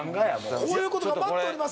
こういう事が待っております！